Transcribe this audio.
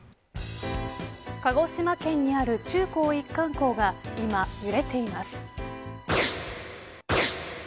鹿児島県にある中高一貫校が今、揺れています。